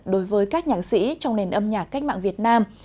đối với các nhạc sĩ trong nền âm nhạc cách mạng việt nam